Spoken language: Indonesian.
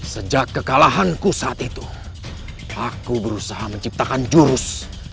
sejak kekalahanku saat itu aku berusaha menciptakan jurus